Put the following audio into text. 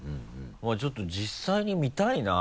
まぁちょっと実際に見たいな。